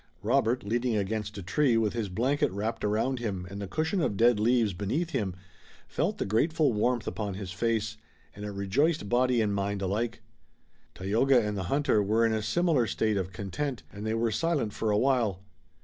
Robert, leaning against a tree, with his blanket wrapped around him and the cushion of dead leaves beneath him, felt the grateful warmth upon his face, and it rejoiced body and mind alike. Tayoga and the hunter were in a similar state of content, and they were silent for a while.